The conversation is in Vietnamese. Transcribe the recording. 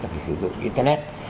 phải sử dụng internet